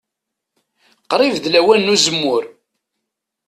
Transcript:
Qrib d lawan n uzemmur.